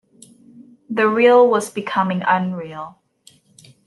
The real was becoming unreal.